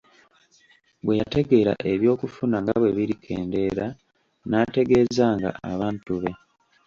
Bwe yategeera eby'okufuna nga bwe birikendeera n'ategeezanga abantu be.